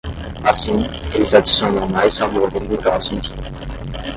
Assim, eles adicionam mais sabor e engrossam o suco.